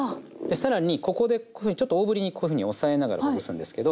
更にここでこういうふうにちょっと大ぶりにこういうふうに押さえながらほぐすんですけど。